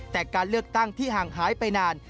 แต่การเลือกตั้งที่ห่างหายไปนาน